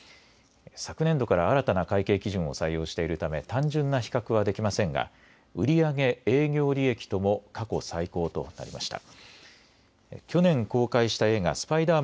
昨年度から新たな会計基準を採用しているため、単純な比較はできませんが、売り上げ、営業利益とも過去最高となりました。